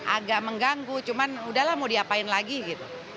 agak mengganggu cuman udahlah mau diapain lagi gitu